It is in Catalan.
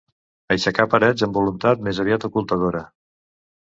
Aixecar parets amb voluntat més aviat ocultadora.